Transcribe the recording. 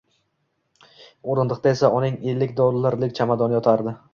Oʻrindiqda esa uning ellik dollarlik chamadoni yotardi.